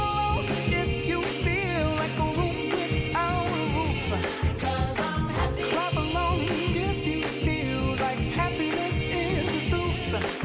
สวัสดีครับสวัสดีครับ